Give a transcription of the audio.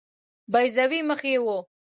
بیضوي مخ یې وو.